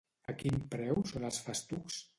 A quin preu són els festucs?